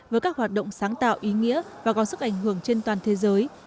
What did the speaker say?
với các hoạt động sáng tạo ý nghĩa và có sức ảnh hưởng trên toàn thế giới